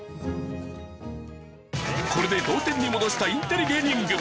これで同点に戻したインテリ芸人軍。